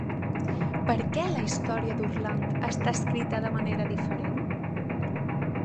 Per què la història d'Orland està escrita de manera diferent?